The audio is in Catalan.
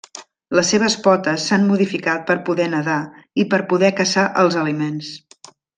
Les seves potes s'han modificat per poder nedar i per poder caçar els aliments.